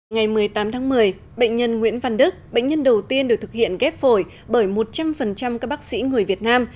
ngày một mươi tám tháng một mươi bệnh nhân nguyễn văn đức bệnh nhân đầu tiên được thực hiện ghép phổi bởi một trăm linh các bác sĩ người việt nam